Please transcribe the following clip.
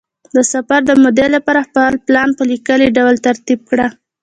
د سفر د مودې لپاره خپل پلان په لیکلي ډول ترتیب کړه.